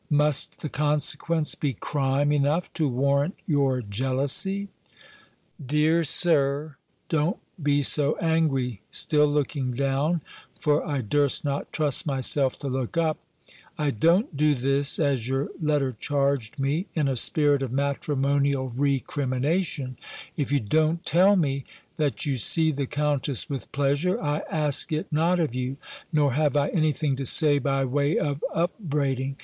Must the consequence be crime enough to warrant your jealousy?" "Dear Sir, don't be so angry," still looking down; for I durst not trust myself to look up. "I don't do this, as your letter charged me, in a spirit of matrimonial recrimination: if you don't tell me, that you see the Countess with pleasure, I ask it not of you; nor have I anything to say by way of upbraiding.